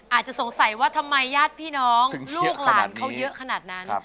อาจจะสงสัยว่าทำไมญาติพี่น้องลูกหลานเขาเยอะขนาดนั้น